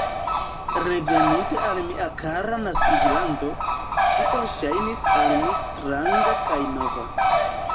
Reveninte al mia kara naskiĝlando, ĉio ŝajnis al mi stranga kaj nova.